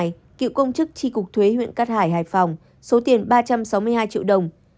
cựu công chức tri cục thuế huyện cát hải hải phòng số tiền ba trăm sáu mươi hai triệu đồng